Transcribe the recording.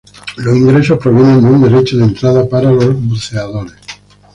Los ingresos provienen de un derecho de entrada para los buceadores.